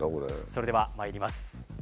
それではまいります。